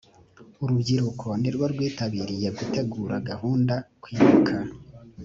urubyiruko nirwo rwitabiriye gutegura gahunda kwibuka